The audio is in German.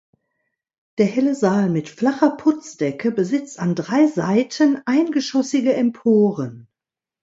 Der helle Saal mit flacher Putzdecke besitzt an drei Seiten eingeschossige Emporen.